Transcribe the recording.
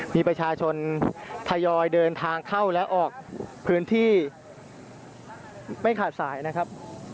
มีประชาชนทยอยเดินทางเข้าและออกพื้นที่ไม่ขาดสายนะครับ